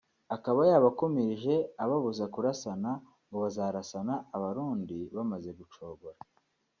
akaba yabakumirije ababuza kurasana ngo bazarasana Abarundi bamaze gucogora